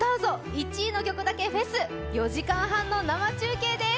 １位の曲だけフェス４時間半の生中継です